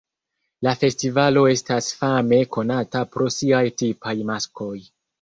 La festivalo estas fame konata pro siaj tipaj maskoj.